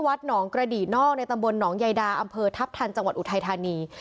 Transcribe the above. วัดหนองกระดี่นอกในตำบลหนองใยดาอำเภอทัพทันจังหวัดอุทัยธานี